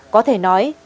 có thể nói